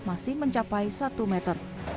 masih mencapai satu meter